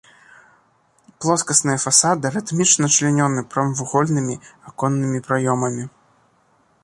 Плоскасныя фасады рытмічна члянёны прамавугольнымі аконнымі праёмамі.